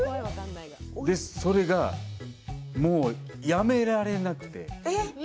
で、それがもうやめられなくて。